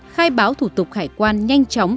khai báo thủ tục hải quan nhanh chóng